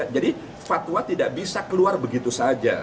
jadi fatwa tidak bisa keluar begitu saja